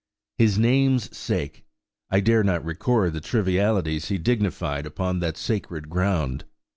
"His name's sake!" I dare not record the trivialities he dignified upon that sacred ground.